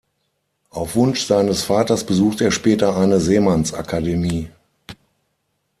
Auf Wunsch seines Vaters besuchte er später eine Seemanns-Akademie.